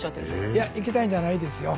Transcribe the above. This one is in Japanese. いや行きたいんじゃないんですよ。